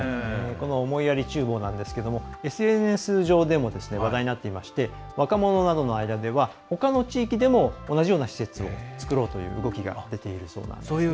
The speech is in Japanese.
思いやりちゅう房なんですが、ＳＮＳ上でも話題になっていまして若者などの間ではほかの地域でも同じような施設を作ろうという動きが出ているそうなんですね。